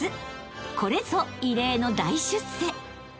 これぞ異例の大出世］